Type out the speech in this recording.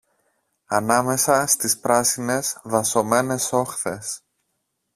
ανάμεσα στις πράσινες δασωμένες όχθες